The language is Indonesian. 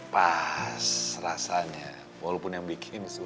pas rasanya walaupun yang bikin